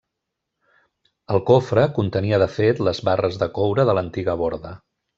El cofre contenia de fet les barres de coure de l'antiga borda.